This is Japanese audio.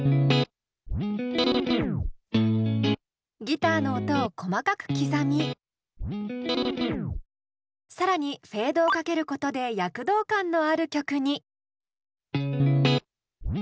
ギターの音を細かく刻み更にフェードをかけることで躍動感のある曲に。